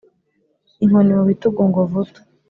inkoni mu bitugu ngo vutu